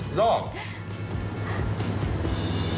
ช่างหน่อย